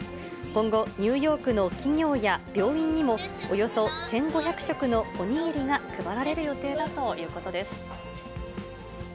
今後、ニューヨークの企業や病院にも、およそ１５００食のお握りが配られる予定だということです。